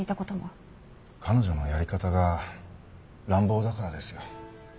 彼女のやり方が乱暴だからですよ。